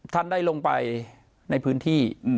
ท่านได้ลงไปในพื้นที่